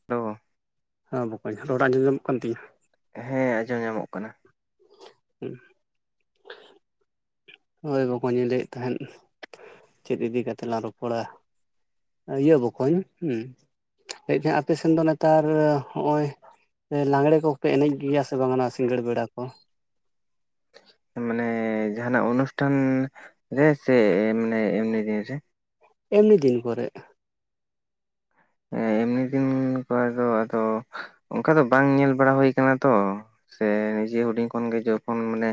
[unintelligible] ᱦᱚᱸ ᱵᱚᱠᱚᱧ ᱨᱚᱲ ᱟᱸᱡᱚᱢ ᱧᱟᱢᱚᱜ ᱠᱟᱱ ᱛᱤᱧᱟᱹ? ᱦᱮᱸ ᱟᱸᱡᱚᱢ ᱧᱟᱢᱚᱜ ᱠᱟᱱᱟ᱾ [unintelligible] ᱦᱳᱭ ᱵᱚᱠᱚᱧ ᱤᱧ ᱞᱟᱹᱭᱮᱫ ᱛᱟᱦᱮᱸᱱ, ᱪᱮᱫ ᱤᱫᱤ ᱠᱟᱛᱮᱫ ᱞᱟᱝ ᱨᱚᱯᱚᱲᱟ? ᱤᱭᱟᱹ ᱵᱚᱠᱚᱧ, ᱦᱩᱸ ᱞᱟᱹᱭ ᱛᱟᱦᱮᱸ ᱟᱯᱮ ᱥᱮᱱ ᱫᱚ ᱱᱮᱛᱟᱨ ᱦᱚᱸᱜ-ᱚᱭ ᱞᱟᱸᱜᱽᱬᱮ ᱠᱚᱯᱮ ᱮᱱᱮᱡ ᱜᱮᱭᱟ ᱥᱮ ᱵᱟᱝ ᱥᱤᱸᱜᱟᱹᱲ ᱵᱮᱲᱟ ᱠᱚ? ᱢᱟᱱᱮ ᱡᱟᱦᱟᱱᱟᱜ ᱚᱱᱩᱥᱴᱷᱟᱱ ᱨᱮ ᱥᱮ ᱮᱢᱱᱮ- ᱮᱢᱱᱤ ᱫᱤᱱ ᱨᱮ? ᱮᱢᱱᱤ ᱫᱤᱱ ᱠᱚᱨᱮ᱾ ᱮᱢᱱᱤ ᱫᱤᱱ ᱠᱚᱨᱮ ᱫᱚ ᱟᱫᱚ ᱚᱱᱠᱟ ᱫᱚ ᱵᱟᱝ ᱧᱮᱞ ᱵᱟᱲᱟ ᱦᱩᱭ ᱠᱟᱱᱟ ᱛᱚ ᱥᱮ ᱡᱤ ᱦᱩᱰᱤᱧ ᱠᱷᱚᱱ ᱜᱮ ᱡᱚᱠᱷᱚᱱ ᱢᱟᱱᱮ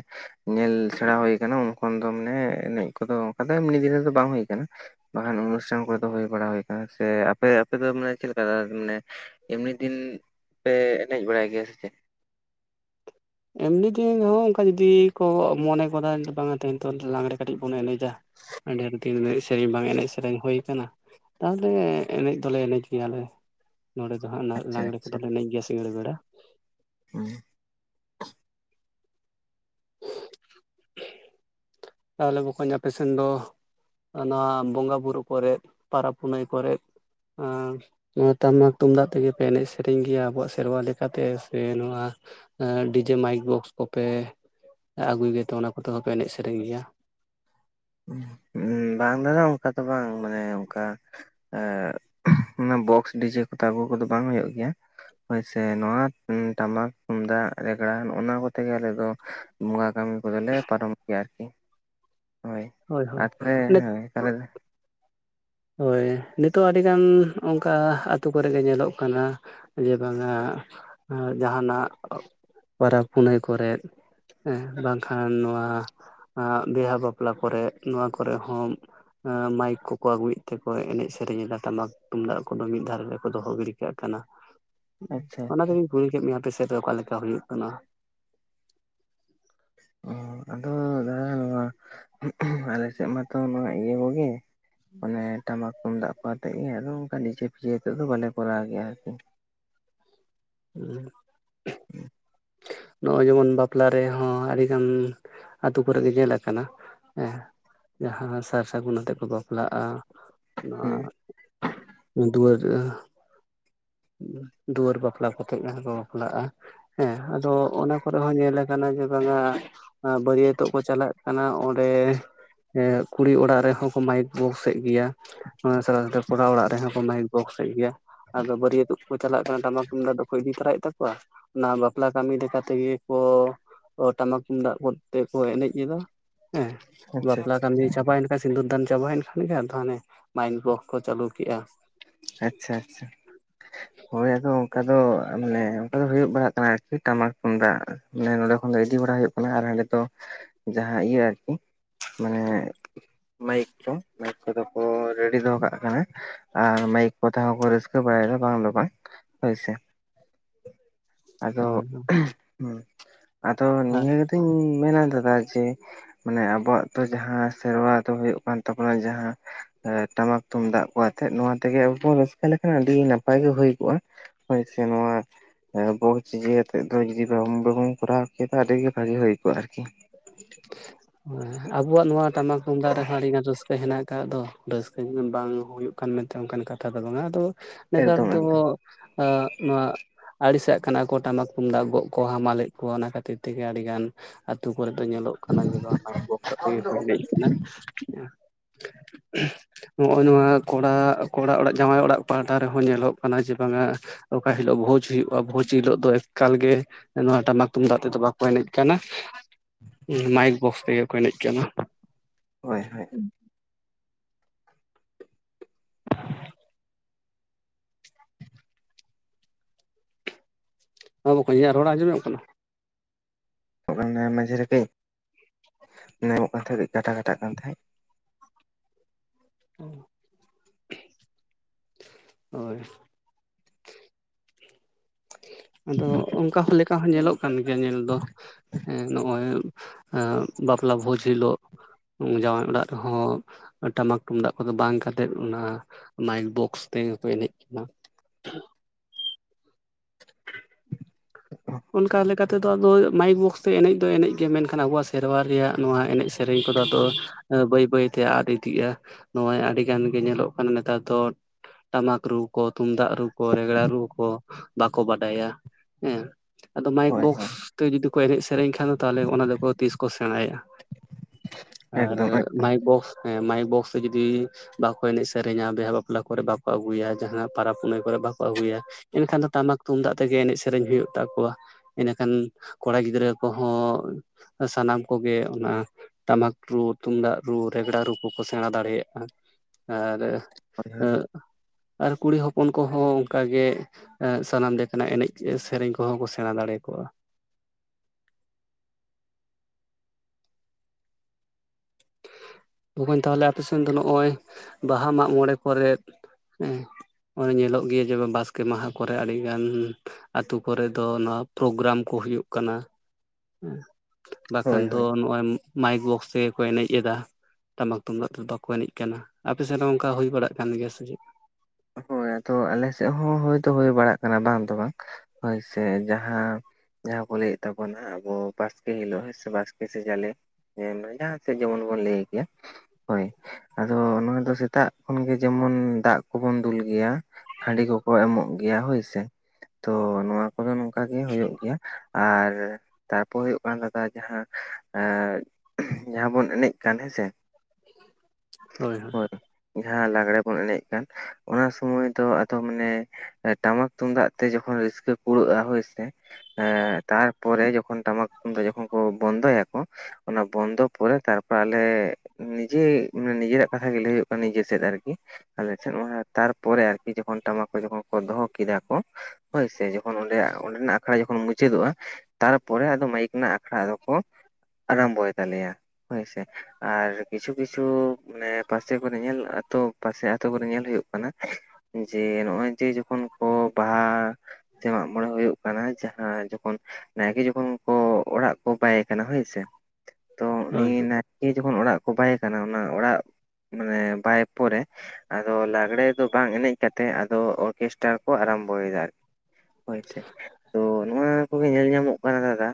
ᱧᱮᱞ ᱥᱮᱬᱟ ᱦᱩᱭ ᱠᱟᱱᱟ ᱩᱱᱡᱷᱚᱱ ᱫᱚ ᱢᱟᱱᱮ ᱮᱱᱮᱡ ᱠᱚᱫᱚ ᱚᱱᱠᱟ ᱫᱚ ᱮᱢᱱᱤ ᱫᱤᱱ ᱨᱮ ᱫᱚ ᱵᱟᱝ ᱦᱩᱭ ᱟᱠᱟᱱᱟ᱾ ᱵᱟᱠᱷᱟᱱ ᱚᱱᱩᱥᱴᱷᱟᱱ ᱠᱚᱨᱮ ᱫᱚ ᱦᱩᱭ ᱵᱟᱲᱟ ᱦᱩᱭ ᱟᱠᱟᱱᱟ ᱥᱮ ᱟᱯᱮ ᱟᱯᱮ ᱫᱚ ᱢᱟᱱᱮ ᱪᱮᱫ ᱞᱮᱠᱟ ᱫᱟᱫᱟ ᱢᱟᱱᱮ ᱮᱢᱱᱤ ᱫᱤᱱ ᱯᱮ ᱮᱱᱮᱡ ᱵᱟᱲᱟᱭ ᱜᱮᱭᱟ ᱥᱮ ᱪᱮᱫ? ᱮᱢᱱᱤ ᱫᱤᱱ ᱨᱮᱦᱚᱸ ᱚᱱᱠᱟ ᱡᱩᱫᱤ ᱠᱚ ᱢᱚᱱᱮ ᱠᱚ ᱛᱟᱦᱮᱱ ᱵᱟᱝ-ᱟ ᱞᱟᱸᱜᱽᱬᱮ ᱠᱟᱹᱴᱤᱡ ᱵᱚᱱ ᱮᱱᱮᱡᱟ᱾ ᱰᱷᱮᱨ ᱫᱤᱱ ᱨᱮ ᱮᱱᱮᱡ ᱥᱮᱨᱮᱧ ᱵᱟᱝ ᱮᱱᱮᱡ ᱥᱮᱨᱮᱧ ᱦᱩᱭ ᱟᱠᱟᱱᱟ᱾ ᱛᱟᱦᱚᱞᱮ ᱮᱱᱮᱡ ᱫᱚ ᱞᱮ ᱮᱱᱮᱡ ᱜᱮᱭᱟ ᱞᱮ ᱱᱚᱸᱰᱮ ᱫᱚ ᱦᱟᱸᱜ ᱟᱪᱪᱷᱟ ᱞᱟᱸᱜᱽᱬᱮ ᱟᱪᱪᱷᱟ ᱠᱚᱫᱚ ᱞᱮ ᱮᱱᱮᱡ ᱜᱮᱭᱟ ᱥᱤᱸᱜᱟᱹᱲ ᱵᱮᱲᱟ᱾ [unintelligible] ᱛᱟᱦᱚᱞᱮ ᱵᱚᱠᱚᱧ ᱟᱯᱮ ᱥᱮᱱ ᱫᱚ ᱱᱚᱣᱟ ᱵᱚᱸᱜᱟ ᱵᱩᱨᱩ ᱠᱚᱨᱮᱜ, ᱯᱚᱨᱚᱵᱷ ᱱᱟᱹᱭ ᱠᱚᱨᱮᱜ ᱟᱸ ᱱᱚᱣᱟ ᱴᱟᱢᱟᱠ ᱛᱩᱢᱫᱟᱜ ᱛᱮᱜᱮ ᱯᱮ ᱮᱱᱮᱡ ᱥᱮᱨᱮᱧ ᱜᱮᱭᱟ ᱟᱵᱚᱣᱟᱜ ᱥᱮᱨᱣᱟ ᱞᱮᱠᱟᱛᱮ ᱥᱮ ᱱᱚᱣᱟ ᱮᱸ ᱰᱤᱡᱮ ᱢᱟᱭᱤᱠ ᱵᱚᱠᱥ ᱠᱚᱯᱮ ᱟᱹᱜᱩᱭ ᱜᱮᱭᱟ ᱛᱚ ᱚᱱᱟ ᱠᱚᱛᱮ ᱦᱚᱸᱯᱮ ᱮᱱᱮᱡ ᱥᱮᱨᱮᱧ ᱜᱮᱭᱟ? ᱵᱟᱝ ᱫᱟᱫᱟ ᱚᱱᱠᱟ ᱫᱚ ᱵᱟᱝ ᱢᱟᱱᱮ ᱚᱱᱠᱟ ᱮᱸ ᱚᱱᱟ ᱵᱚᱠᱥ ᱰᱤᱡᱮ [unintelligible] ᱟᱹᱜᱩ ᱠᱚᱫᱚ ᱵᱟᱝ ᱦᱩᱭᱩᱜ ᱜᱮᱭᱟ᱾ ᱦᱳᱭ ᱥᱮ ᱱᱚᱣᱟ ᱴᱟᱢᱟᱠ, ᱛᱩᱢᱫᱟᱜ ᱨᱮᱜᱽᱲᱟ ᱱᱚᱜ-ᱚᱱᱟ ᱠᱚᱛᱮ ᱜᱮ ᱟᱞᱮ ᱫᱚ ᱵᱚᱸᱜᱟ ᱠᱟᱹᱢᱤ ᱠᱚᱫᱚ ᱞᱮ ᱯᱟᱨᱚᱢ ᱜᱮᱭᱟ ᱟᱨᱠᱤ ᱦᱳᱭ ᱟᱨ ᱛᱟᱦᱚᱞᱮ [unintelligible] ᱦᱳᱭ ᱛᱟᱦᱚᱞᱮ᱾ ᱦᱳᱭ ᱱᱤᱛᱚᱜ ᱟᱹᱰᱤ ᱜᱟᱱ ᱚᱱᱠᱟ ᱟᱛᱩ ᱠᱚᱨᱮ ᱜᱮ ᱧᱮᱞᱚᱜ ᱠᱟᱱᱟ ᱡᱮ ᱵᱟᱝᱟ ᱡᱟᱦᱟᱱᱟᱜ ᱯᱚᱨᱚᱵᱷ ᱯᱩᱱᱟᱹᱭ ᱠᱚᱨᱮᱛ ᱦᱮᱸ ᱵᱟᱝᱠᱷᱟᱱ ᱱᱚᱣᱟ ᱵᱤᱦᱟ ᱵᱟᱯᱞᱟ ᱠᱚᱨᱮ ᱱᱚᱣᱟ ᱠᱚᱨᱮ ᱦᱚᱸ ᱢᱟᱭᱤᱠ ᱠᱚᱠᱚ ᱟᱹᱜᱩ ᱭᱮᱫ ᱛᱮᱠᱚ ᱮᱱᱮᱡ ᱥᱮᱨᱮᱧ ᱮᱫᱟ ᱴᱟᱢᱟᱠ ᱛᱩᱢᱫᱟᱜ ᱠᱚᱫᱚ ᱢᱤᱫ ᱫᱷᱟᱨᱮ ᱨᱮᱠᱚ ᱫᱚᱦᱚ ᱜᱤᱰᱤ ᱠᱟᱜ ᱠᱟᱱᱟ᱾ ᱟᱪᱪᱷᱟ ᱚᱱᱟ ᱛᱮᱜᱮᱧ ᱠᱩᱞᱤ ᱠᱮᱫ ᱢᱮᱭᱟ ᱟᱯᱮ ᱥᱮᱫ ᱨᱮ ᱚᱠᱟ ᱞᱮᱠᱟ ᱦᱩᱭᱩᱜ ᱠᱟᱱᱟ᱾ ᱚ ᱟᱫᱚ ᱫᱟᱫᱟ ᱱᱚᱣᱟ ᱟᱞᱮ ᱥᱮᱫ ᱢᱟᱛᱚ ᱱᱚᱣᱟ ᱤᱭᱟᱹ ᱠᱚᱜᱮ ᱢᱟᱱᱮ ᱴᱟᱢᱟᱠ ᱛᱩᱢᱫᱟᱜ ᱠᱚ ᱟᱛᱮᱜ ᱜᱮᱫᱚ ᱚᱱᱠᱟ ᱰᱤᱡᱮ ᱯᱷᱤᱡᱮ ᱟᱛᱮᱫ ᱫᱚ ᱵᱟᱞᱮ ᱠᱚᱨᱟᱣ ᱜᱮᱭᱟ᱾ [unintelligible] ᱱᱚᱜᱼᱚᱭ ᱡᱮᱢᱚᱱ ᱵᱟᱯᱞᱟ ᱨᱮᱦᱚᱸ ᱟᱹᱰᱤ ᱜᱟᱱ ᱟᱛᱩ ᱠᱚᱨᱮ ᱜᱮ ᱧᱮᱞ ᱟᱠᱟᱱᱟ ᱦᱮᱸ᱾ ᱡᱟᱦᱟᱸ ᱥᱟᱨ ᱥᱟᱹᱜᱩᱱ ᱟᱛᱮ ᱠᱚ ᱵᱟᱯᱞᱟᱜᱼᱟ᱾ ᱱᱚᱣᱟ ᱦᱩᱸ ᱫᱩᱣᱟᱹᱨ ᱫᱩᱣᱟᱹᱨ ᱵᱟᱯᱞᱟ ᱠᱚᱛᱮᱜ ᱡᱟᱦᱟ ᱠᱚ ᱵᱟᱯᱞᱟᱜᱼᱟ ᱦᱮᱸ ᱟᱫᱚ ᱚᱱᱟ ᱠᱚᱨᱮᱜ ᱦᱚᱸ ᱧᱮᱞ ᱟᱠᱟᱱᱟ ᱡᱮ ᱵᱟᱝᱟ ᱵᱟᱹᱨᱭᱟᱹᱛᱚᱜ ᱠᱚ ᱪᱟᱞᱟᱜ ᱠᱟᱱᱟ ᱚᱸᱰᱮ ᱮᱸ ᱠᱩᱲᱤ ᱚᱲᱟᱜ ᱨᱮᱦᱚᱸ ᱠᱚ ᱢᱟᱭᱤᱠ ᱵᱚᱠᱥ ᱮᱜ ᱜᱮᱭᱟ᱾ ᱚᱱᱟ ᱥᱟᱶᱛᱮ ᱠᱚᱲᱟ ᱚᱲᱟᱜ ᱨᱮᱦᱚᱸ ᱠᱚ ᱢᱟᱭᱤᱠ ᱵᱚᱠᱥ ᱮᱜ ᱜᱮᱭᱟ ᱟᱫᱚ ᱵᱟᱹᱨᱭᱟᱹᱛ ᱠᱩᱜᱤ ᱠᱚ ᱪᱟᱞᱟᱜ ᱠᱟᱱᱟ ᱴᱟᱢᱟᱠ ᱛᱩᱢᱫᱟᱜ ᱫᱚᱠᱚ ᱤᱫᱤ ᱛᱚᱨᱟᱭᱮᱜ ᱛᱟᱠᱚᱣᱟ, ᱚᱱᱟ ᱵᱟᱯᱞᱟ ᱠᱟᱹᱢᱤ ᱞᱮᱠᱟ ᱛᱮᱜᱮ ᱠᱚ ᱚ ᱴᱟᱢᱟᱠ ᱛᱩᱢᱫᱟᱜ ᱠᱚᱛᱮ ᱠᱚ ᱮᱱᱮᱡ ᱮᱫᱟ ᱦᱮᱸ ᱟᱪᱪᱷᱟ ᱵᱟᱯᱞᱟ ᱠᱟᱹᱢᱤ ᱪᱟᱵᱟᱭᱱᱟ᱾ ᱥᱤᱸᱫᱩᱨ ᱫᱟᱱ ᱪᱟᱵᱟᱭᱮᱱ ᱠᱷᱟᱱ ᱜᱮ ᱟᱫᱚ ᱦᱟᱱᱮ ᱢᱟᱭᱤᱱ ᱵᱚᱠᱥ ᱠᱚ ᱪᱟᱹᱞᱩ ᱠᱮᱜᱼᱟ᱾ ᱟᱪᱪᱷᱟ ᱟᱪᱪᱷᱟ᱾ ᱦᱳᱭ ᱟᱫᱚ ᱚᱝᱠᱟ ᱫᱚ ᱢᱟᱱᱮ ᱚᱝᱠᱟ ᱫᱚ ᱦᱳᱭᱳᱜ ᱵᱟᱲᱟᱜ ᱠᱟᱱᱟ ᱟᱨᱠᱤ ᱴᱟᱢᱟᱠ ᱛᱩᱢᱫᱟᱜ ᱢᱟᱱᱮ ᱱᱚᱸᱰᱮ ᱠᱷᱚᱱ ᱫᱚ ᱤᱫᱤ ᱵᱟᱲᱟ ᱦᱩᱭᱩᱜ ᱠᱟᱱᱟ, ᱟᱨ ᱦᱟᱸᱰᱮ ᱫᱚ ᱡᱟᱦᱟᱸ ᱤᱭᱟᱹ ᱟᱨᱠᱤ ᱢᱟᱱᱮ ᱢᱟᱭᱤᱠ ᱠᱚ ᱢᱟᱭᱤᱠ ᱠᱚᱫᱚ ᱠᱚ ᱨᱮᱰᱤ ᱫᱚᱦᱚ ᱠᱟᱜ ᱠᱟᱱᱟ ᱟᱨ ᱢᱟᱭᱤᱠ ᱠᱚᱛᱮ ᱦᱚᱸᱠᱚ ᱨᱟᱹᱥᱠᱟᱹ ᱵᱟᱭᱟᱭᱫᱟ ᱵᱟᱝ ᱫᱚ ᱵᱟᱝ ᱦᱳᱭᱥᱮ᱾ ᱟᱫᱚ ᱦᱳᱭ ᱦᱳᱭ ᱦᱩᱸ ᱟᱫᱚ ᱱᱤᱭᱟᱹ ᱜᱮᱛᱚᱧ ᱢᱮᱱᱟ ᱫᱟᱫᱟ ᱡᱮ ᱢᱟᱱᱮ ᱟᱵᱚᱣᱟᱜ ᱫᱚ ᱡᱟᱦᱟᱸ ᱥᱮᱨᱣᱟ ᱫᱚ ᱦᱩᱭᱩᱜ ᱠᱟᱱ ᱛᱟᱵᱚᱱᱟ ᱡᱟᱦᱟᱸ ᱮᱸ ᱴᱟᱢᱟᱠ ᱛᱩᱢᱫᱟᱜ ᱠᱚ ᱟᱛᱮᱜ ᱱᱚᱣᱟ ᱛᱮᱜᱮ ᱟᱵᱚ ᱵᱚ ᱨᱟᱹᱥᱠᱟᱹ ᱞᱮᱠᱷᱟᱱ ᱟᱹᱰᱤ ᱱᱟᱯᱟᱭ ᱜᱮ ᱦᱩᱭ ᱠᱚᱜᱼᱟ᱾ ᱦᱳᱭ ᱥᱮ ᱱᱚᱣᱟ ᱮᱸ ᱵᱟᱠᱥ ᱪᱤᱡᱮ ᱟᱛᱮᱜ ᱫᱚ ᱡᱩᱫᱤ ᱵᱟᱝ ᱵᱟᱵᱚᱱ ᱠᱚᱨᱟᱣ ᱠᱮᱭᱟ ᱛᱟᱦᱞᱮ ᱜᱮ ᱵᱷᱟᱜᱤ ᱦᱩᱭ ᱠᱚᱜᱼᱟ ᱟᱨᱠᱤ᱾ [inaudible] ᱮᱸ ᱟᱵᱚᱣᱟᱜ ᱱᱚᱣᱟ ᱴᱟᱢᱟᱠ ᱛᱩᱢᱫᱟᱜ ᱨᱮᱦᱚᱸ ᱟᱹᱰᱤ ᱜᱟᱱ ᱨᱟᱹᱥᱠᱟᱹ ᱦᱮᱱᱟᱜ ᱟᱠᱟᱫ ᱫᱚ, ᱨᱟᱹᱥᱠᱟᱹ ᱜᱮ ᱵᱟᱝ ᱦᱩᱭᱩᱜ ᱠᱟᱱ ᱢᱮᱱᱛᱮ ᱚᱱᱠᱟᱱ ᱠᱟᱛᱷᱟ ᱫᱚ ᱵᱟᱝᱟ ᱟᱫᱚ ᱱᱮᱛᱟᱨ ᱮᱠᱫᱚᱢ ᱫᱚ ᱮᱠᱫᱚᱢ ᱟᱸ ᱱᱚᱣᱟ ᱟᱲᱤᱥᱟᱜ ᱠᱟᱱᱟ ᱠᱚ ᱴᱟᱢᱟᱠ ᱛᱩᱢᱫᱟᱜ ᱜᱚᱜ ᱠᱚ ᱦᱟᱢᱟᱞᱮᱜ ᱠᱚᱣᱟ ᱚᱱᱟ ᱠᱷᱟᱹᱛᱤᱨ ᱛᱮᱜᱮ ᱟᱹᱰᱤ ᱜᱟᱱ ᱟᱹᱛᱩ ᱠᱚᱨᱮᱜ ᱫᱚ ᱧᱮᱞᱚᱜ ᱠᱟᱱᱟ ᱡᱮ [inaudible] ᱵᱚᱠᱥ ᱟᱛᱮᱜ ᱜᱮ ᱠᱚ ᱮᱱᱮᱡ ᱠᱟᱱᱟ᱾ [inaudible] ᱱᱚᱜᱼᱚ ᱱᱚᱣᱟ ᱠᱚᱲᱟ ᱠᱚᱲᱟ ᱚᱲᱟᱜ ᱡᱟᱶᱟᱭ ᱚᱲᱟᱜ ᱯᱟᱦᱴᱟ ᱨᱮᱦᱚᱸ ᱧᱮᱞᱚᱜ ᱠᱟᱱᱟ ᱡᱮ ᱵᱟᱝᱟ ᱚᱠᱟ ᱦᱤᱞᱚᱜ ᱵᱷᱳᱡᱽ ᱦᱩᱭᱩᱜᱼᱟ ᱵᱷᱳᱡᱽ ᱦᱤᱞᱚᱜ ᱫᱚ ᱮᱠᱟᱞ ᱜᱮ ᱮ ᱱᱚᱣᱟ ᱴᱟᱢᱟᱠ ᱛᱩᱢᱫᱟᱜ ᱛᱮᱫᱚ ᱵᱟᱠᱚ ᱮᱱᱮᱡ ᱠᱟᱱᱟ᱾ ᱩᱸ ᱢᱟᱭᱤᱠ ᱵᱚᱠᱥ ᱛᱮᱜᱮ ᱠᱚ ᱮᱱᱮᱡ ᱠᱟᱱᱟ᱾ ᱦᱳᱭ ᱦᱳᱭ᱾ ᱦᱚᱸ ᱵᱚᱠᱚᱧ ᱤᱧᱟᱜ ᱨᱚᱲ ᱟᱸᱚᱢ ᱧᱟᱢᱚᱜ ᱠᱟᱱᱟ? [inaudible] ᱢᱟᱡᱷᱮ ᱨᱮ ᱠᱟᱹᱡ ᱧᱟᱢᱚᱜ ᱠᱟᱱ ᱛᱟᱦᱮᱸᱜ ᱠᱟᱴᱟ ᱠᱟᱴᱟᱜ ᱠᱟᱱ ᱛᱟᱦᱮᱸᱜ᱾ ᱚᱸ ᱚᱭ ᱟᱫᱚ ᱚᱝᱠᱟ ᱦᱚᱸ ᱞᱮᱠᱟ ᱦᱚᱸ ᱧᱮᱞᱚᱜ ᱠᱟᱱ ᱜᱮᱭᱟ ᱧᱮᱞ ᱫᱚ᱾ ᱦᱮᱸ ᱱᱚᱜᱼᱚᱭ ᱮᱸ ᱵᱟᱯᱞᱟ ᱵᱷᱳᱡᱽ ᱦᱤᱞᱳᱜ ᱩᱸ ᱡᱟᱶᱟᱭ ᱚᱲᱟᱜ ᱨᱮᱦᱚᱸ ᱴᱟᱢᱟᱠ ᱛᱩᱢᱫᱟᱜ ᱠᱚᱫᱚ ᱵᱟᱝ ᱠᱟᱛᱮᱜ ᱚᱱᱟ ᱢᱟᱭᱤᱠ ᱵᱚᱠᱥ ᱛᱮᱜᱮ ᱠᱚ ᱮᱱᱮᱡ ᱠᱟᱱᱟ᱾ ᱚᱱᱠᱟ ᱞᱮᱠᱟᱛᱮ ᱛᱮ ᱟᱫᱚ ᱢᱟᱭᱤᱠ ᱵᱚᱠᱥ ᱛᱮ ᱮᱱᱮᱡ ᱫᱚ ᱮᱱᱮᱡ ᱜᱮ ᱢᱮᱱᱠᱷᱟᱱ ᱟᱵᱣᱟᱜ ᱥᱮᱨᱣᱟ ᱨᱮᱭᱟᱜ ᱱᱚᱣᱟ ᱮᱱᱮᱡ ᱥᱮ ᱨᱮᱧ ᱠᱚᱫᱚ ᱟᱫᱚ ᱮᱸ ᱵᱟᱹᱭ ᱵᱟᱹᱭᱛᱮ ᱟᱫ ᱤᱫᱤᱜᱼᱟ᱾ ᱱᱚᱜᱼᱚᱭ ᱟᱹᱰᱤ ᱜᱟᱱ ᱜᱮ ᱧᱮᱞᱚᱜ ᱠᱟᱱᱟ ᱱᱮᱛᱟᱨ ᱫᱚ ᱴᱟᱢᱟᱠ ᱨᱩ ᱠᱚ ᱛᱩᱢᱫᱟᱜ ᱨᱩ ᱠᱚ ᱨᱮᱜᱽᱲᱟ ᱨᱩ ᱠᱚ ᱵᱟᱠᱚ ᱵᱟᱰᱟᱭᱟ᱾ ᱦᱮᱸ ᱟᱫᱚ ᱢᱟᱭᱤᱠ ᱦᱳᱭ ᱦᱳᱭ ᱵᱚᱠᱥ ᱛᱮ ᱡᱩᱫᱤ ᱠᱚ ᱮᱱᱮᱡ ᱥᱮᱨᱮᱧ ᱠᱷᱟᱱ ᱫᱚ ᱛᱟᱦᱚᱞᱮ ᱚᱱᱟ ᱫᱚᱠᱚ ᱛᱤᱥ ᱠᱚ ᱥᱮ ᱥᱮᱬᱟᱭ ᱟᱨ ᱮᱠᱫᱚᱢ ᱮᱠᱫᱚᱢ ᱢᱟᱭᱤᱠ ᱵᱚᱠᱥ ᱦᱮᱸ ᱢᱟᱭᱤᱠ ᱵᱚᱠᱥ ᱛᱮ ᱡᱩᱫᱤ ᱵᱟᱠᱚ ᱮᱱᱮᱡ ᱥᱮᱨᱮᱧᱟ ᱵᱤᱦᱟ ᱵᱟᱯᱞᱟ ᱠᱚᱨᱮ ᱵᱟᱠᱚ ᱟᱹᱜᱩᱭᱟ ᱡᱟᱦᱟᱸ ᱯᱟᱨᱟᱵᱽ ᱯᱩᱱᱟᱹᱭ ᱠᱚᱨᱮ ᱵᱟᱝᱠᱚ ᱟᱹᱜᱩᱭᱟ ᱮᱱᱠᱷᱟᱱ ᱫᱚ ᱴᱟᱢᱟᱠ ᱛᱩᱢᱫᱟᱜ ᱛᱮᱜᱮ ᱮᱱᱮᱡ ᱥᱮᱨᱮᱧ ᱦᱳᱭᱳᱜ ᱛᱟᱠᱚᱣᱟ ᱾ ᱤᱱᱮᱠᱷᱟᱱ ᱠᱚᱲᱟ ᱜᱤᱫᱽᱨᱟᱹ ᱠᱚᱦᱚᱸ ᱥᱟᱱᱟᱢ ᱠᱚᱜᱮ ᱚᱱᱟ ᱴᱟᱢᱟᱠ ᱨᱩ, ᱛᱩᱢᱫᱟᱜ ᱨᱩ, ᱨᱮᱜᱽᱲᱟ ᱨᱩ ᱠᱚᱠᱚ ᱥᱮᱸᱬᱟ ᱫᱟᱲᱮᱭᱟᱜᱼᱟ᱾ ᱟᱨ ᱮ ᱦᱳᱭ ᱦᱳᱭ ᱟᱨ ᱠᱩᱲᱤ ᱦᱚᱯᱚᱱ ᱠᱚᱦᱚᱸ ᱚᱝᱠᱟ ᱜᱮ ᱮ ᱥᱟᱱᱟᱢ ᱞᱮᱠᱟᱱᱟᱜ ᱮᱱᱮᱡ ᱥᱮᱨᱮᱧ ᱠᱚᱦᱚᱸ ᱠᱚ ᱥᱮᱬᱟ ᱫᱟᱲᱮ ᱠᱚᱜᱼᱟ᱾ ᱵᱚᱠᱚᱧ ᱛᱟᱦᱞᱮ ᱟᱯᱮᱥᱮᱱ ᱫᱚ ᱱᱚᱜᱼᱚᱭ ᱵᱟᱦᱟ ᱢᱟᱜ ᱢᱚᱬᱮ ᱠᱚᱨᱮᱫ ᱦᱮᱸ ᱦᱚᱜ-ᱚᱭ ᱧᱮᱞᱚᱜ ᱜᱮᱭᱟ ᱡᱮ ᱵᱟ ᱵᱟᱥᱠᱮ ᱢᱟᱦᱟ ᱠᱚᱨᱮ ᱟᱹᱰᱤᱜᱟᱱ ᱟᱹᱛᱩ ᱠᱚᱨᱮ ᱫᱚ ᱱᱚᱣᱟ ᱯᱨᱳᱜᱨᱟᱢ ᱠᱚ ᱦᱩᱭᱩᱜ ᱠᱟᱱᱟ᱾ ᱦᱮᱸ ᱦᱳᱭ ᱵᱟᱠᱷᱟᱱ ᱫᱚ ᱦᱳᱭ ᱱᱚᱜᱼᱚᱭ ᱢᱟᱭᱤᱠ ᱵᱚᱠᱥ ᱛᱮᱜᱮ ᱠᱚ ᱮᱱᱮᱡ ᱮᱫᱟ᱾ ᱴᱟᱢᱟᱠ ᱛᱩᱢᱫᱟᱜ ᱛᱮᱫ ᱵᱟᱠᱚ ᱮᱱᱮᱡ ᱠᱟᱱᱟ᱾ ᱟᱯᱮ ᱥᱮᱱ ᱚᱱᱠᱟ ᱦᱳᱭ ᱵᱟᱲᱟᱜ ᱠᱟᱱ ᱜᱮᱭᱟ ᱥᱮ ᱪᱮᱫ? ᱦᱳᱭ ᱟᱫᱚ ᱟᱞᱮ ᱥᱮᱜ ᱦᱚᱸ ᱦᱩᱭ ᱫᱚ ᱦᱳᱭ ᱵᱟᱲᱟᱜ ᱠᱟᱱᱟ ᱵᱟᱝ ᱫᱚ ᱵᱟᱝ, ᱦᱳᱭ ᱥᱮ ᱡᱟᱦᱟᱸ ᱡᱟᱦᱟᱸ ᱠᱚ ᱞᱟᱹᱭᱮᱫ ᱛᱟᱵᱚᱱᱟ ᱦᱟᱸᱜ ᱟᱵᱚ ᱵᱟᱥᱠᱮ ᱦᱤᱞᱳᱜ ᱦᱮᱸ ᱥᱮ ᱵᱟᱥᱠᱮ ᱥᱮ ᱡᱟᱞᱮ᱾ ᱦᱮᱸ ᱱᱚᱭᱰᱟ ᱡᱟᱦᱟᱸ ᱥᱮᱫ ᱡᱮᱢᱚᱱ ᱵᱚᱱ ᱞᱟᱹᱭ ᱠᱮᱭᱟ᱾ ᱦᱳᱭ, ᱟᱫᱚ ᱱᱚᱣᱟ ᱫᱚ ᱥᱮᱛᱟᱜ ᱠᱷᱚᱱ ᱞᱞᱡᱮᱢᱚᱱ ᱫᱟᱜ ᱠᱚᱵᱚᱱ ᱫᱩᱞ ᱜᱮᱭᱟ, ᱦᱟᱺᱰᱤ ᱠᱚᱠᱚ ᱮᱢᱚᱜ ᱜᱮᱭᱟ ᱦᱳᱭᱥᱮ ᱛᱚ ᱱᱚᱣᱟ ᱠᱚᱫᱚ ᱱᱚᱝᱠᱟ ᱜᱮ ᱦᱳᱭᱳᱜ ᱜᱮᱭᱟ ᱟᱨ ᱛᱟᱨᱯᱚᱨ ᱦᱳᱭᱳᱜ ᱠᱟᱱ ᱞᱟᱛᱟᱨ ᱡᱟᱦᱟᱸ ᱡᱟᱦᱟᱸ ᱵᱚᱱ ᱮᱱᱮᱡ ᱠᱟᱱ ᱦᱮᱸᱥᱮ? ᱦᱳᱭ ᱦᱳᱭ᱾ ᱡᱟᱦᱟᱸ ᱞᱟᱜᱽᱲᱮ ᱵᱚᱱ ᱮᱱᱮᱡ ᱠᱟᱱ ᱚᱱᱟ ᱥᱩᱢᱚᱭ ᱫᱚ ᱟᱫᱚ ᱢᱟᱱᱮ ᱮ ᱴᱟᱢᱟᱠ ᱛᱩᱢᱫᱟᱜ ᱛᱮ ᱡᱚᱠᱷᱚᱱ ᱨᱟᱹᱥᱠᱟᱹ ᱠᱩᱲᱟᱹᱜᱼᱟ ᱦᱳᱭᱥᱮ? ᱮᱸ ᱛᱟᱨᱯᱚᱨᱮ ᱡᱚᱠᱷᱚᱱ ᱴᱟᱢᱟᱠ ᱛᱩᱢᱫᱟᱜ ᱡᱚᱠᱷᱚᱱ ᱠᱚ ᱵᱚᱱᱫᱚᱭᱟᱠᱚ᱾ ᱚᱱᱟ ᱵᱚᱱᱫᱚ ᱯᱚᱨᱮ ᱛᱟᱨᱯᱚᱨ ᱟᱞᱮ ᱱᱤᱡᱮ ᱢᱟᱱᱮ ᱱᱤᱡᱮᱨᱟᱜ ᱠᱟᱛᱷᱟ ᱜᱮ ᱞᱟᱹᱭ ᱦᱳᱭᱳᱜ ᱠᱟᱱᱟ ᱱᱤᱡᱮ ᱥᱮᱫ ᱟᱨᱠᱤ᱾ ᱟᱞᱮ ᱥᱮᱱ ᱢᱟᱦᱟᱸ ᱛᱟᱨᱯᱚᱨᱮ ᱟᱨᱠᱤ ᱡᱚᱠᱷᱚᱱ ᱴᱟᱢᱟᱠ ᱠᱚ ᱡᱚᱠᱷᱚᱱ ᱠᱚ ᱫᱚᱦᱚ ᱠᱤᱫᱟ ᱠᱚ ᱦᱳᱭᱥᱮ ᱡᱚᱠᱷᱚᱱ ᱚᱸᱰᱮ ᱚᱸᱰᱮᱱᱟᱜ ᱟᱠᱷᱲᱟ ᱡᱚᱠᱷᱚᱱ ᱢᱩᱪᱟᱹᱫᱚᱜᱼᱟ᱾ ᱛᱟᱨᱯᱚᱨᱮ ᱟᱫᱚ ᱢᱟᱭᱤᱠ ᱨᱮᱱᱟᱜ ᱟᱠᱷᱲᱟ ᱟᱫᱚ ᱠᱚ ᱟᱨᱟᱢᱵᱚᱭ ᱛᱟᱞᱮᱭᱟ᱾ ᱦᱳᱭᱥᱮ ᱟᱨ ᱠᱤᱪᱷᱩ ᱠᱤᱪᱷᱩ ᱢᱟᱱᱮ ᱯᱟᱥᱮᱜ ᱠᱚᱨᱮ ᱧᱮᱞ ᱟᱛᱳ ᱯᱟᱥᱮ ᱟᱛᱳ ᱠᱚᱨᱮ ᱧᱮᱞ ᱦᱳᱭᱳᱜ ᱠᱟᱱᱟ ᱡᱮ ᱱᱚᱜᱼᱚᱭ ᱡᱮ ᱡᱚᱠᱷᱚᱱ ᱠᱚ ᱵᱟᱦᱟ ᱥᱮ ᱢᱟᱜ ᱢᱚᱬᱮ ᱦᱳᱭᱳᱜ ᱠᱟᱱᱟ ᱡᱟᱦᱟᱸ ᱡᱚᱠᱷᱚᱱ ᱱᱟᱭᱠᱮ ᱡᱚᱠᱷᱚᱱ ᱠᱚ ᱚᱲᱟᱜ ᱠᱚ ᱵᱟᱭᱮ ᱠᱟᱱᱟ ᱦᱳᱭᱥᱮ ᱛᱚ ᱩᱱᱤ ᱦᱳᱭ ᱦᱳᱭ ᱱᱟ᱾ ᱛᱮᱜᱮᱮ ᱡᱚᱠᱷᱚᱱ ᱚᱲᱟᱜ ᱠᱚ ᱵᱟᱭᱮ ᱠᱟᱱᱟ ᱚᱱᱟ ᱚᱲᱟᱜ ᱢᱟᱱᱮ ᱵᱟᱭ ᱯᱚᱨᱮ ᱟᱫᱚ ᱞᱟᱜᱽᱲᱮ ᱫᱚ ᱵᱟᱝ ᱮᱱᱮᱡ ᱠᱟᱛᱮᱜ ᱟᱫᱚ ᱚᱨᱠᱮᱥᱴᱟᱨ ᱠᱚ ᱟᱨᱟᱢᱵᱚᱭᱫᱟ ᱟᱨᱠᱤ᱾ ᱦᱳᱭᱥᱮ ᱛᱚ ᱱᱚᱣᱟ ᱠᱚᱜᱮ ᱧᱮᱞ ᱧᱟᱢᱚᱜ ᱠᱟᱱᱟ ᱫᱟᱫᱟ᱾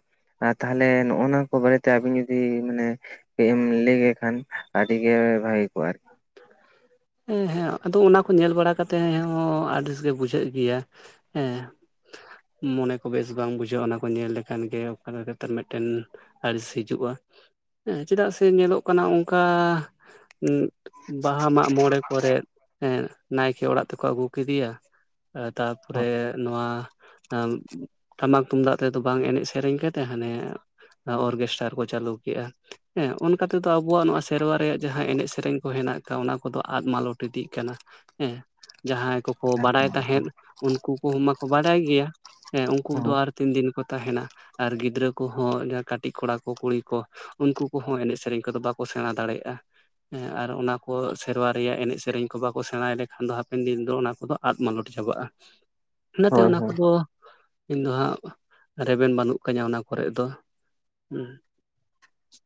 ᱟ ᱛᱟᱦᱞᱮ ᱱᱚᱜᱼᱚ ᱱᱚᱣᱟ ᱠᱚ ᱵᱟᱨᱮ ᱛᱮ ᱟᱵᱤᱱ ᱡᱩᱫᱤ ᱢᱟᱱᱮ ᱠᱟᱹᱡ ᱮᱢ ᱞᱟᱹᱭ ᱞᱮᱠᱷᱟᱱ ᱟᱹᱰᱤ ᱜᱮ ᱵᱷᱟᱹᱜᱮ ᱠᱚᱜᱼᱟ ᱟᱨᱠᱤ᱾ ᱮᱸ ᱦᱮᱸ ᱟᱫᱚ ᱚᱱᱟ ᱠᱚ ᱧᱮᱞ ᱵᱟᱲᱟ ᱠᱟᱛᱮ ᱦᱮᱸ ᱦᱚᱸ ᱟᱰᱤᱥ ᱜᱮ ᱵᱩᱡᱷᱟᱹᱜ ᱜᱮᱭᱟ ᱮᱸ᱾ ᱢᱚᱱᱮ ᱠᱚ ᱵᱮᱥ ᱵᱟᱝ ᱵᱩᱡᱷᱟᱹᱜᱼᱟ ᱚᱱᱟ ᱠᱚ ᱧᱮᱞ ᱞᱮᱠᱷᱟᱱ ᱜᱮ ᱚᱠᱟᱞᱮᱠᱟ ᱠᱟᱛᱮᱫ ᱢᱮᱫᱴᱮᱱ ᱟᱹᱲᱤᱥ ᱦᱤᱡᱩᱜᱼᱟ ᱦᱮᱸ ᱪᱮᱫᱟᱜ ᱥᱮ ᱧᱮᱞᱚᱜ ᱠᱟᱱᱟ ᱚᱝᱠᱟ ᱵᱟᱦᱟ ᱢᱟᱜ ᱢᱚᱬᱮ ᱠᱚᱨᱮᱫᱽ ᱮᱸᱫ ᱱᱟᱭᱠᱮ ᱚᱲᱟᱜ ᱛᱮᱠᱚ ᱟᱹᱜᱩ ᱠᱤᱫᱤᱭᱟ᱾ ᱟ ᱛᱟᱯᱚᱨᱮ ᱱᱚᱣᱟ ᱟᱢᱴᱟᱢᱟᱠ ᱛᱩᱢᱫᱟᱜ ᱛᱮᱫᱚ ᱵᱟᱝ ᱮᱱᱮᱡ ᱥᱮᱨᱮᱧ ᱠᱟᱛᱮᱜ ᱦᱟᱸᱱᱮ ᱚᱨᱠᱮᱥᱴᱟᱨ ᱠᱚ ᱪᱟᱹᱞᱩ ᱠᱮᱜᱼᱟ᱾ ᱦᱮᱸ ᱚᱱᱠᱟ ᱛᱮᱛᱚ ᱟᱵᱚᱣᱟᱜ ᱱᱚᱣᱟ ᱥᱮᱨᱣᱟ ᱨᱮᱭᱟᱜ ᱡᱟᱦᱟᱸ ᱮᱱᱮᱡ ᱥᱮᱨᱮᱧ ᱠᱚ ᱦᱮᱱᱟᱜ ᱠᱟ ᱚᱱᱟ ᱠᱚᱫᱚ ᱟᱫ ᱢᱟᱞᱚᱴ ᱤᱫᱤᱜ ᱠᱟᱱᱟ ᱦᱮᱸ, ᱡᱟᱦᱟᱸᱭ ᱠᱚᱠᱚ ᱠᱚᱠᱟ ᱵᱟᱲᱟᱭ ᱛᱟᱦᱮᱸᱫ ᱩᱱᱠᱩ ᱠᱚᱦᱚᱸ ᱢᱟᱠᱚ ᱵᱟᱰᱟᱭ ᱜᱮᱭᱟ, ᱦᱮᱸ ᱩᱱᱠᱩ ᱫᱚ ᱟᱨ ᱛᱤᱱ ᱫᱤᱱ ᱠᱚ ᱛᱟᱦᱮᱱᱟ ᱟᱨ ᱜᱤᱫᱽᱨᱟᱹ ᱠᱚᱦᱚᱸ ᱡᱟᱦᱟᱸ ᱠᱟᱹᱴᱤᱡ ᱠᱚᱲᱟ ᱠᱚ ᱠᱩᱲᱤ ᱠᱚ ᱩᱱᱠᱩ ᱠᱚᱦᱚᱸ ᱮᱱᱮᱡ ᱥᱮᱨᱮᱧ ᱠᱚᱫᱚ ᱵᱟᱠᱚ ᱥᱮᱬᱟ ᱫᱟᱲᱮᱭᱟᱜᱼᱟ ᱦᱮᱸ ᱟᱨ ᱚᱱᱟ ᱠᱚ ᱥᱮᱨᱣᱟ ᱨᱮᱭᱟᱜ ᱮᱱᱮᱡ ᱥᱮᱨᱮᱧ ᱠᱚ ᱵᱟᱠᱚ ᱥᱮᱬᱟᱭ ᱞᱮᱠᱷᱟᱱ ᱫᱚ ᱦᱟᱯᱮᱱ ᱫᱤᱱ ᱫᱚ ᱚᱱᱟ ᱠᱚᱫᱚ ᱟᱫ ᱢᱟᱞᱚᱴ ᱪᱟᱵᱟᱜᱼᱟ ᱾ [inaudible] ᱤᱱᱟᱹᱛᱮ ᱦᱳᱭ ᱚᱱᱟ ᱦᱳᱭ ᱠᱚᱫᱚ ᱤᱧ ᱫᱚ ᱦᱟᱸᱜ ᱨᱮᱵᱮᱱ ᱵᱟᱹᱱᱩᱜ ᱠᱟᱹᱧᱟ ᱚᱱᱟ ᱠᱚᱨᱮ ᱫᱚ ᱦᱩ᱾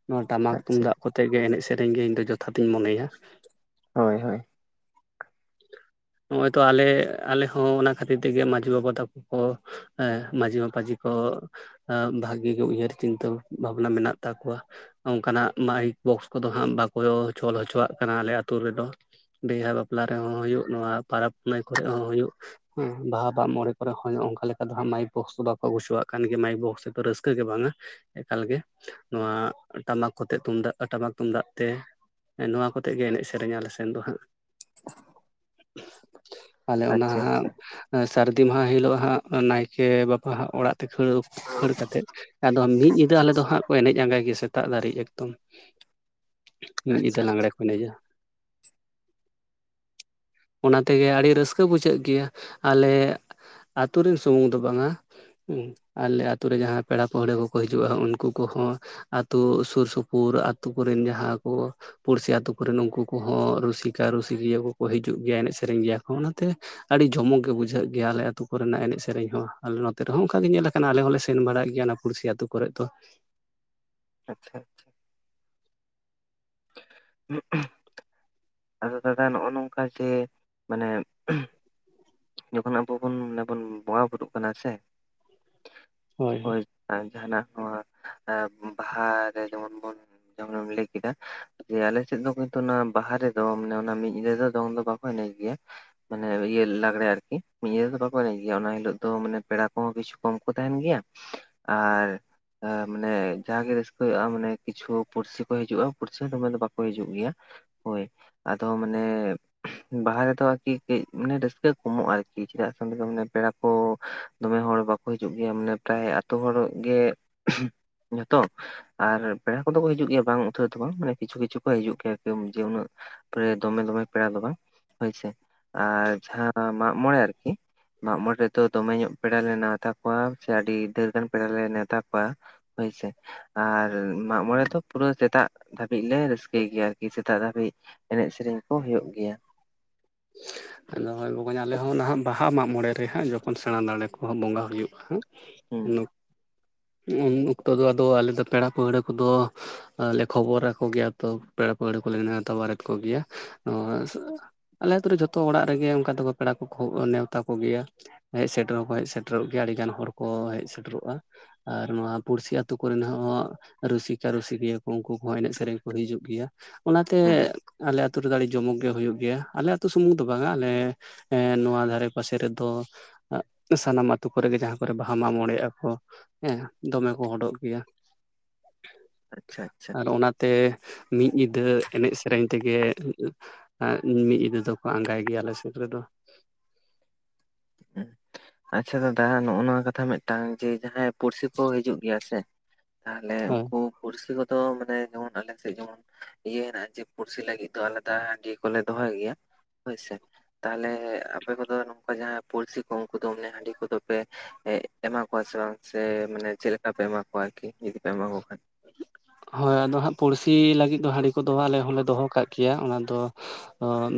ᱱᱚᱣᱟ ᱴᱟᱢᱟᱠ ᱟᱪᱪᱷᱟ ᱛᱩᱢᱫᱟᱜ ᱠᱚᱛᱮ ᱜᱮ ᱮᱱᱮᱡ ᱥᱮᱨᱮᱧ ᱜᱮ ᱤᱧ ᱫᱚ ᱡᱚᱛᱷᱟᱛᱧ ᱢᱚᱱᱮᱭᱟ᱾ ᱦᱳᱭ ᱦᱳᱭ [unintelligible] [unintelligible] ᱱᱚᱜ ᱚᱚᱭ ᱛᱚ ᱟᱞᱮ ᱟᱞᱮ ᱦᱚᱸ ᱚᱱᱟ ᱠᱷᱟᱹᱛᱤᱨ ᱛᱮᱜᱮ ᱢᱟᱟᱹᱡᱷᱤ ᱵᱟᱵᱟ ᱛᱟᱠᱚᱼᱼ ᱦᱮᱸ ᱢᱟᱹᱡᱷᱤ ᱢᱟᱯᱟᱡᱷᱤ ᱠᱚᱼᱼ ᱵᱷᱟᱹᱜᱤ ᱜᱮ ᱩᱭᱦᱟᱹᱨ ᱪᱤᱱᱛᱟᱹ ᱵᱷᱟᱵᱱᱟ ᱢᱮᱱᱟᱜ ᱛᱟᱠᱚᱣᱟ᱾ ᱚᱱᱠᱟᱱᱟᱜ ᱢᱟᱭᱤᱠ ᱵᱚᱠᱥ ᱠᱚᱫᱚ ᱦᱟᱸᱜ ᱵᱟᱠᱚ ᱪᱚᱞ ᱦᱚᱪᱚᱣᱟᱜ ᱠᱟᱱᱟ ᱟᱞᱮ ᱟᱛᱩ ᱨᱮᱫᱚ᱾ ᱵᱤᱦᱟ ᱵᱟᱯᱞᱟ ᱨᱮᱦᱚᱸ ᱦᱩᱭᱩᱜ ᱱᱚᱣᱟ ᱯᱟᱨᱟᱵᱽ ᱯᱩᱱᱟᱹᱭ ᱠᱚᱨᱮ ᱦᱚᱸ ᱦᱩᱭᱩᱜᱼᱼ ᱦᱮᱸ ᱵᱟᱦᱟ ᱢᱟᱜ-ᱢᱚᱬᱮ ᱠᱚᱨᱮ ᱦᱚᱸ ᱚᱱᱠᱟ ᱞᱮᱠᱟ ᱫᱚ ᱦᱟᱸᱜ ᱢᱟᱭᱤᱠ ᱵᱚᱠᱥ ᱵᱟᱠᱚ ᱟᱜᱩ ᱦᱚᱪᱚᱣᱟᱜ ᱠᱟᱱ ᱜᱮ ᱢᱟᱭᱤᱠ ᱵᱚᱠᱥ ᱫᱚ ᱨᱟᱹᱥᱠᱟᱹ ᱜᱮ ᱵᱟᱝᱼᱟ᱾ ᱮᱠᱟᱞᱜᱮ ᱱᱚᱣᱟ ᱴᱟᱢᱟᱠ ᱠᱚᱛᱮ ᱛᱩᱢᱫᱟᱜ ᱴᱟᱢᱟᱠ ᱛᱩᱢᱫᱟᱜ ᱛᱮ ᱱᱚᱣᱟ ᱠᱚᱛᱮᱼᱼ ᱟᱛᱮᱫ ᱜᱮ ᱮᱱᱮᱡ ᱥᱮᱨᱮᱧ ᱟᱞᱮ ᱥᱮᱱ ᱫᱚ ᱦᱟᱸᱜ᱾ ᱟᱞᱮ ᱚᱱᱟ ᱟᱪᱪᱷᱟ ᱦᱟᱸᱜᱼᱼ ᱟᱪᱪᱷᱟ ᱥᱟᱹᱨᱫᱤ ᱢᱟᱦᱟ ᱦᱤᱞᱳᱜ ᱦᱟᱸᱜ ᱱᱟᱭᱠᱮ ᱵᱟᱵᱟ ᱦᱟᱸᱜ ᱚᱲᱟᱜ ᱛᱮ ᱠᱷᱟᱹᱲ ᱠᱷᱟᱹᱲ ᱠᱟᱛᱮᱜᱼᱼ ᱟᱫᱚ ᱢᱤᱫ ᱧᱤᱫᱟᱹ ᱟᱞᱮ ᱫᱚ ᱦᱟᱸᱜ ᱠᱚ ᱮᱱᱮᱡ ᱟᱸᱜᱟᱭ ᱜᱮ ᱥᱮᱛᱟᱜ ᱫᱷᱟᱹᱨᱤᱡ ᱮᱠᱫᱚᱢ᱾ ᱢᱤᱫ ᱤᱫᱟᱹ ᱟᱪᱪᱷᱟ ᱞᱟᱜᱽᱬᱮ ᱠᱚ ᱮᱱᱮᱡᱟ᱾ [unintelligible] ᱚᱱᱟ ᱛᱮᱜᱮ ᱟᱹᱰᱤ ᱨᱟᱹᱥᱠᱟᱹ ᱵᱩᱡᱷᱟᱹᱜ ᱜᱮᱭᱟ ᱟᱞᱮ ᱟᱛᱩ ᱨᱮᱱ ᱥᱩᱢᱩᱝ ᱫᱚ ᱵᱟᱝᱟ᱾ ᱦᱩᱸ ᱟᱞᱮ ᱟᱛᱳ ᱨᱮ ᱡᱟᱦᱟᱸᱭ ᱯᱮᱲᱟ ᱯᱟᱹᱲᱦᱟᱹ ᱠᱚᱠᱚ ᱦᱤᱡᱩᱜᱼᱟ ᱩᱱᱠᱩ ᱠᱚᱦᱚᱸ, ᱟᱹᱛᱳ ᱥᱩᱨ ᱥᱩᱯᱩᱨ ᱟᱛᱳ ᱠᱚᱨᱮᱱ ᱡᱟᱦᱟᱸ ᱠᱚ ᱯᱩᱲᱥᱤ ᱟᱛᱳᱼᱼ ᱩᱱᱠᱩ ᱠᱚᱨᱮᱱ ᱩᱱᱠᱩ ᱠᱚᱦᱚᱸ ᱨᱩᱥᱤᱠᱟ ᱨᱩᱥᱤᱠᱤᱭᱟᱹ ᱠᱚᱠᱚ ᱦᱤᱡᱩᱜ ᱜᱮᱭᱟ ᱮᱱᱮᱡ ᱥᱮᱨᱮᱧ ᱜᱮᱭᱟ ᱠᱚ ᱚᱱᱟᱛᱮᱼ ᱟᱹᱰᱤ ᱡᱚᱢᱚᱠ ᱜᱮ ᱵᱩᱡᱷᱟᱹᱜ ᱜᱮᱭᱟ ᱟᱞᱮ ᱟᱹᱛᱩ ᱠᱚᱨᱮᱱᱟᱜ ᱮᱱᱮᱡ ᱥᱮᱨᱮᱧ ᱦᱚᱸ ᱟᱞᱮ ᱱᱚᱛᱮ ᱨᱮᱦᱚᱸ ᱚᱱᱠᱟ ᱜᱮ ᱧᱮᱞ ᱠᱟᱱᱟ ᱟᱞᱮ ᱦᱚᱸᱞᱮ ᱥᱮᱱ ᱵᱟᱲᱟᱜ ᱜᱮᱭᱟ᱾ ᱯᱩᱲᱥᱤ ᱟᱛᱳ ᱠᱚᱨᱮ ᱫᱚ ᱾ ᱟᱪᱪᱷᱟ ᱟᱪᱪᱷᱟ᱾ ᱦᱮ [inaudible] ᱟᱫᱚ ᱫᱟᱫᱟ ᱱᱚᱜᱼᱚ ᱱᱚᱝᱠᱟ ᱡᱮ ᱢᱟᱱᱮᱼ ᱡᱚᱠᱷᱚᱱ ᱟᱵᱚ ᱵᱚᱱ ᱵᱚᱱ ᱵᱚᱸᱜᱟ ᱵᱩᱨᱩᱜ ᱠᱟᱱᱟ ᱥᱮ ᱦᱳᱭ᱾ ᱡᱟᱦᱟᱱᱟᱜ ᱱᱚᱣᱟ ᱮ ᱵᱟᱦᱟᱨᱮ ᱡᱮᱢᱚᱱ ᱵᱚᱱ ᱡᱮᱢᱚᱱ ᱞᱟᱹᱭ ᱠᱮᱫᱟᱼᱼ ᱡᱮ ᱟᱞᱮ ᱥᱮᱫ ᱫᱚ ᱠᱤᱱᱛᱩ ᱚᱱᱟ ᱵᱟᱦᱟ ᱨᱮᱫᱚ ᱢᱟᱱᱮ ᱚᱱᱟ ᱢᱤᱫ ᱧᱟᱹᱫᱟᱹ ᱫᱚ ᱫᱚᱝ ᱫᱚ ᱵᱟᱠᱚ ᱮᱱᱮᱡ ᱜᱮᱭᱟ᱾ ᱢᱟᱱᱮ ᱤᱭᱟᱹ ᱞᱟᱜᱼᱼ ᱟᱜᱽᱲᱮ ᱟᱨᱠᱤ ᱱᱤᱭᱟᱹ ᱫᱚ ᱵᱟᱠᱚ ᱮᱱᱮᱡ ᱜᱮᱭᱟ ᱚᱱᱟ ᱦᱤᱞᱳ ᱫᱚ ᱢᱟᱱᱮ ᱯᱮᱲᱟ ᱠᱚᱦᱚᱸ ᱠᱤᱪᱷᱩ ᱠᱚᱢ ᱛᱟᱦᱮᱱ ᱜᱮᱭᱟ᱾ ᱟᱨᱼᱼ ᱮ ᱢᱟᱱᱮ ᱡᱟᱜᱮ ᱨᱟᱹᱥᱠᱟᱹ ᱦᱩᱭᱩᱜᱼᱟ ᱢᱟᱱᱮ ᱠᱤᱪᱷᱩ ᱯᱩᱥᱤ ᱠᱚ ᱦᱤᱡᱩᱜᱼᱟ ᱯᱩᱲᱥᱤ ᱦᱚᱸ ᱫᱚᱢᱮ ᱫᱚ ᱵᱟᱠᱚ ᱦᱤᱡᱩᱜ ᱜᱮᱭᱟ᱾ ᱦᱳᱭ ᱟᱫᱚ ᱢᱟᱱᱮ ᱵᱟᱦᱟ ᱨᱮᱫᱚ ᱟᱨᱠᱤ ᱠᱟᱹᱡ ᱢᱟᱱᱮ ᱨᱟᱹᱠᱟᱹᱼᱼ ᱟᱹ ᱠᱚᱢᱚᱜᱼᱟ ᱟᱨᱠᱤ ᱪᱮᱫᱟᱜ ᱥᱮ ᱚᱰᱮ ᱫᱚ ᱢᱟᱱᱮ ᱯᱮᱲᱟ ᱠᱚ ᱫᱚᱢᱮ ᱦᱚᱲ ᱵᱟᱠᱚ ᱦᱤᱡᱩᱜ ᱜᱮᱭᱟ ᱢᱟᱱᱮᱼᱼ ᱯᱨᱟᱭ ᱟᱛᱳ ᱦᱚᱲ ᱜᱮ ᱡᱷᱚᱛᱚ᱾ ᱟᱨ ᱯᱮᱲᱟ ᱠᱚᱫᱚ ᱠᱚ ᱦᱤᱡᱩᱜ ᱜᱮᱭᱟ ᱵᱟᱝ ᱩᱛᱟᱹᱨ ᱫᱚ ᱵᱟᱝ ᱠᱤᱪᱷᱩ ᱠᱤᱪᱷᱩ ᱠᱚ ᱦᱤᱡᱩᱜ ᱜᱮᱭᱟ ᱡᱮ ᱩᱱᱟᱹᱜᱼᱼ ᱫᱚᱢᱮ ᱫᱚᱢᱮ ᱯᱮᱲᱟ ᱫᱚ ᱵᱟᱝ ᱦᱳᱭᱥᱮ ᱟᱨ ᱡᱟᱦᱟᱸ ᱢᱟᱜ ᱢᱚᱬᱮ ᱟᱨᱠᱤ, ᱢᱟᱜ ᱢᱚᱬᱮ ᱨᱮᱫᱚ ᱫᱚᱢᱮ ᱧᱚᱜ ᱯᱮᱲᱟ ᱞᱮ ᱱᱮᱣᱛᱟ ᱠᱚᱣᱟ ᱥᱮ ᱟᱹᱰᱤ ᱰᱷᱟᱹᱨ ᱜᱟᱱ ᱯᱮᱲᱟ ᱞᱮ ᱱᱮᱣᱛᱟ ᱠᱚᱣᱟ᱾ ᱦᱳᱭᱥᱮ ᱟᱨ ᱢᱟᱜ ᱢᱚᱲᱮ ᱫᱚ ᱯᱩᱨᱟᱹ ᱥᱮᱛᱟᱜᱼᱼ ᱫᱷᱟᱹᱵᱤᱡ ᱞᱮ ᱨᱟᱹᱥᱠᱟᱹᱭ ᱜᱮᱭᱟ ᱟᱨᱠᱤ ᱥᱮᱛᱟᱜ ᱫᱷᱟᱹᱵᱤᱡ ᱮᱱᱮᱡ ᱥᱮᱨᱮᱧ ᱠᱚ ᱦᱳᱭᱳᱜ ᱜᱮᱭᱟ᱾ [unintelligible] ᱟᱫᱚ ᱵᱚᱜᱚᱧ ᱟᱞᱮ ᱦᱚᱸ ᱱᱟᱦᱟᱜ ᱵᱟᱦᱟ ᱢᱟᱜ ᱢᱚᱬᱮ ᱨᱮ ᱦᱟᱸᱜ ᱡᱚᱠᱷᱚᱱ ᱥᱮᱬᱟ ᱫᱟᱲᱮ ᱠᱚᱦᱚᱸ ᱵᱚᱸᱜᱟ ᱦᱩᱭᱩᱜᱼᱟ ᱦᱟᱸᱼᱼ ᱦᱩᱸ ᱚᱱᱟ [inaudible] ᱩᱱ ᱚᱠᱛᱚ ᱫᱚ ᱟᱫᱚ ᱟᱞᱮᱫᱚ ᱯᱮᱲᱟ ᱯᱟᱹᱲᱦᱟᱹ ᱠᱚᱫᱚᱞᱮ ᱠᱷᱚᱵᱚᱨᱟᱼᱼ ᱠᱚᱜᱮᱭᱟ ᱛᱚ ᱯᱮᱲᱟ ᱯᱟᱹᱲᱦᱟᱹ ᱠᱚᱞᱮ ᱱᱮᱣᱛᱟ ᱵᱟᱲᱟ ᱠᱚᱜᱮᱭᱟ ᱱᱚᱣᱟ᱾ ᱟᱞᱮ ᱟᱹᱛᱩ ᱨᱮ ᱡᱚᱛᱚ ᱚᱲᱟᱜ ᱜᱮ ᱚᱝᱠᱟ ᱫᱚ ᱯᱮᱲᱟ ᱠᱚ ᱱᱮᱣᱛᱟ ᱠᱚᱜᱮᱭᱟ ᱾ ᱦᱮᱡ ᱥᱮᱴᱮᱨ ᱦᱚᱸᱠᱚ ᱦᱮᱡ ᱥᱮᱴᱮᱨᱚᱜ ᱜᱮᱭᱟ ᱟᱹᱰᱤᱜᱟᱱ ᱦᱚᱲ ᱠᱚ ᱦᱮᱡ ᱥᱮᱴᱮᱨᱚᱜᱼᱟ ᱾ ᱟᱨ ᱱᱚᱶᱟ ᱯᱩᱲᱥᱤ ᱟᱹᱛᱩ ᱠᱚᱨᱮᱱ ᱦᱚᱸ ᱨᱩᱥᱤᱠᱟ ᱨᱩᱥᱤᱠᱤᱭᱟᱹ ᱠᱚ ᱩᱱᱠᱩ ᱠᱚ ᱮᱱᱮᱡ ᱥᱮ ᱥᱮᱨᱮᱧ ᱠᱚ ᱦᱤᱡᱩᱜ ᱜᱮᱭᱟ ᱚᱱᱟᱛᱮ ᱦᱩᱸ ᱟᱞᱮ ᱟᱹᱛᱩ ᱫᱟᱲᱮ ᱡᱚᱢᱚᱠ ᱜᱮ ᱦᱩᱭᱩᱜ ᱜᱮᱭᱟ ᱟᱞᱮ ᱟᱹᱛᱩ ᱥᱩᱢᱩᱝ ᱫᱚ ᱵᱟᱝᱼᱟ ᱟᱞᱮ ᱮᱸ ᱱᱚᱣᱟ ᱫᱷᱟᱨᱮ ᱯᱟᱥᱮ ᱨᱮᱫᱚ [inaudible] ᱥᱟᱱᱟᱢ ᱟᱹᱛᱩ ᱠᱚᱨᱮᱜᱮ ᱡᱟᱦᱟᱸ ᱠᱚᱨᱮ ᱵᱟᱦᱟ ᱢᱚᱜᱽ ᱢᱚᱬᱮᱚᱜ ᱟᱠᱚ ᱾ ᱦᱮᱸ ᱫᱚᱢᱮ ᱠᱚ ᱦᱚᱰᱚᱜ ᱜᱮᱭᱟ ᱾ ᱟᱪᱷᱟ ᱟᱪᱷᱟ ᱾ ᱟᱨ ᱚᱱᱟᱛᱮ ᱢᱤᱫ ᱧᱤᱫᱟᱹ ᱮᱱᱮᱡ ᱥᱮᱨᱮᱧ ᱛᱮᱜᱮ ᱟᱜ ᱢᱤᱫ ᱧᱤᱫᱟᱹ ᱫᱚᱠᱚ ᱟᱸᱜᱟᱭ ᱜᱮᱭᱟ ᱟᱞᱮ ᱥᱮᱫ ᱨᱮᱫᱚ ᱾ [inaudible] ᱟᱪᱷᱟ ᱫᱟᱫᱟ ᱱᱚᱜ ᱱᱚᱣᱟ ᱠᱟᱛᱷᱟ ᱢᱤᱫᱴᱟᱝ ᱡᱮ ᱡᱟᱦᱟᱸᱭ ᱯᱩᱲᱥᱤ ᱠᱚ ᱦᱤᱡᱩᱜ ᱜᱮᱭᱟ ᱥᱮ ᱛᱟᱦᱞᱮ ᱦᱮᱸ ᱩᱱᱠᱩ ᱯᱩᱲᱥᱤ ᱠᱚᱫᱚ ᱢᱟᱱᱮ ᱡᱮᱢᱚᱱ ᱟᱞᱮᱥᱮᱫ ᱡᱮᱢᱚᱱ ᱤᱭᱟᱹ ᱦᱮᱱᱟᱜᱼᱟ ᱡᱮ ᱯᱩᱲᱥᱤ ᱞᱟᱹᱜᱤᱫ ᱫᱚ ᱟᱞᱟᱫᱟ ᱰᱮ ᱠᱚᱞᱮ ᱫᱚᱦᱚᱭ ᱜᱮᱭᱟ ᱾ ᱦᱳᱭᱥᱮ ᱛᱟᱞᱦᱮ ᱟᱯᱮ ᱠᱚᱫᱚ ᱱᱚᱝᱠᱟ ᱡᱟᱦᱟᱸ ᱯᱩᱲᱥᱤ ᱠᱚ ᱩᱱᱠᱩ ᱫᱚ ᱚᱱᱮ ᱦᱟᱹᱰᱤ ᱠᱚᱫᱚ ᱯᱮ ᱮᱸ ᱮᱢᱟ ᱠᱚᱣᱟ ᱥᱮ ᱵᱟᱝ ᱥᱮ ᱢᱟᱱᱮ ᱪᱮᱫ ᱠᱟᱯᱮ ᱮᱢᱟ ᱠᱚᱣᱟ ᱟᱨᱠᱤ ᱡᱩᱫᱤ ᱯᱮ ᱮᱢᱟ ᱠᱚ ᱠᱷᱟᱱ? ᱦᱳᱭ ᱟᱫᱚ ᱦᱟᱸᱜ ᱯᱩᱲᱥᱤ ᱞᱟᱹᱜᱤᱫ ᱫᱚ ᱦᱟᱹᱰᱤ ᱠᱚᱫᱚ ᱟᱞᱮ ᱦᱚᱸᱞᱮ ᱫᱚᱦᱚ ᱠᱟᱜ ᱜᱮᱭᱟ ᱚᱱᱟ ᱫᱚ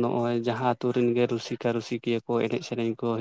ᱱᱚᱜᱼᱚᱭ ᱡᱟᱦᱟᱸ ᱟᱛᱳ ᱨᱮᱱ ᱜᱮ ᱨᱩᱥᱤᱠᱟ ᱨᱩᱥᱤᱠᱤᱭᱟᱹ ᱠᱚ ᱮᱱᱮᱡ ᱥᱮᱨᱮᱧ ᱠᱚ